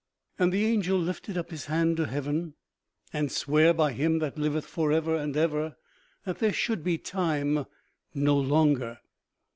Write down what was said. "And the angel lifted up his hand to heaven and sware by Him that liveth forever and ever that there should be time no longer."